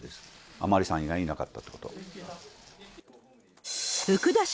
甘利さん以外いなかったってこと。